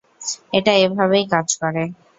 এটা এভাবেই কাজ করে!